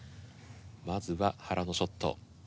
まずは原のショット。